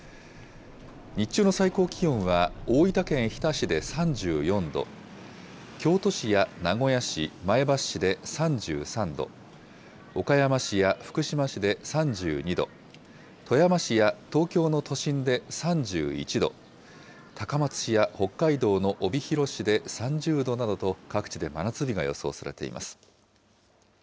日中の最高気温は大分県日田市で３４度、京都市や名古屋市、前橋市で３３度、岡山市や福島市で３２度、富山市や東京の都心で３１度、高松市や北海道の帯広市で３０度などと、各地で真夏日が予想されています。